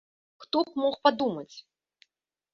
Хто б мог падумаць.